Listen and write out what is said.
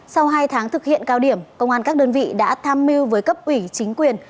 sau hai tháng thực hiện cao điểm công an các đơn vị đã tham mưu với cấp ủy chính quyền